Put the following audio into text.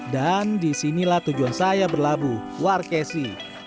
dan disinilah tujuan saya berlabuh warkesi